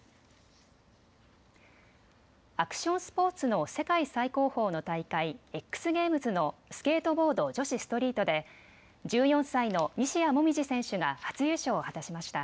アクションスポーツの世界最高峰の大会、Ｘゲームズのスケートボード女子ストリートで１４歳の西矢椛選手が初優勝を果たしました。